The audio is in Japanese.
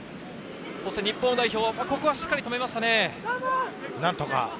日本代表、ここはしっかり止めましたね。